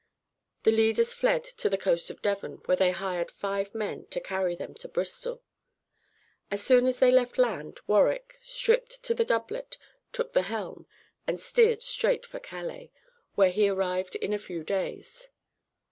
The leaders fled to the coast of Devon, where they hired five men to carry them to Bristol. As soon as they left land, Warwick, stripped to the doublet, took the helm, and steered straight for Calais, where he arrived in a few days.